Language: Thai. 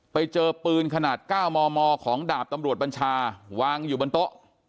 ไปเจอปืนขนาด๙มมของดาบตำรวจบัญชาวางอยู่บนโต๊ะ